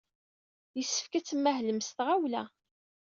Yessefk ad tmahlem s tɣawla.